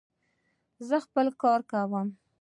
زه خپل کار کوم.